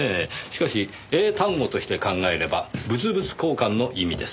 しかし英単語として考えれば物々交換の意味です。